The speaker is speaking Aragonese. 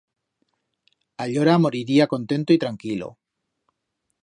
Allora moriría contento y tranquilo.